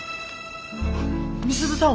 美鈴さん！